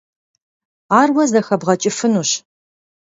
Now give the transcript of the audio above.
Ар уэ зэхэбгъэкӀыфынущ.